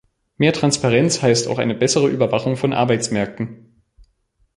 Mehr Transparenz heißt auch eine bessere Überwachung von Arbeitsmärkten.